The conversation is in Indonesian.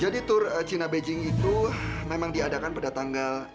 jadi tur cina beijing itu memang diadakan pada tanggal